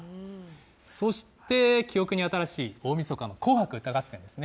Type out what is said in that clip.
そして、記憶に新しい大みそかの紅白歌合戦ですね。